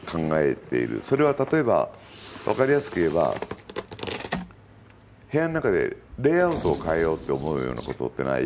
それは例えば分かりやすく言えば部屋の中でレイアウトを変えようって思うようなことってない？